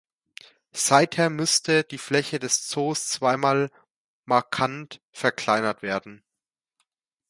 Seither musste die Fläche des Zoos zweimal markant verkleinert werden.